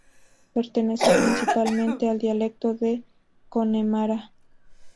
Pertenece principalmente al dialecto de Connemara.